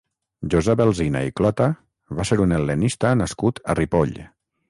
Josep Alsina i Clota va ser un hel·lenista nascut a Ripoll.